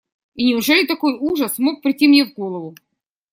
И неужели такой ужас мог прийти мне в голову?